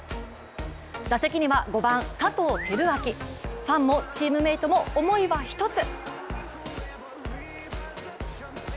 打席には５番・佐藤輝明、ファンもチームメイトも思いは一つ。